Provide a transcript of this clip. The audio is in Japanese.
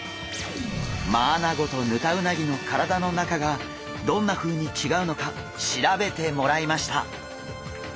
マアナゴとヌタウナギの体の中がどんなふうに違うのか調べてもらいました。